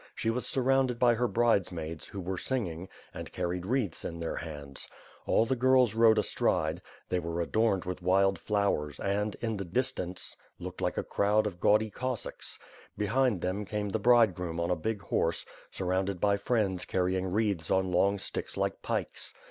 She was sur rounded by her bridesmaids, who were singing, and carried wreaths in their hands. All the girls rode astride; they were adorned with wild flowers and, in the distance, looked like a crowd of gaudy Cossacks. Behind them came the bridegroom on a big horse, surrounded by friends carrying wreaths on long sticks like pikes.